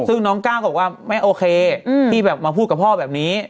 ซึ่งน้องก้าวก็บอกว่าไม่โอเคที่แบบมาพูดกับพ่อแบบนี้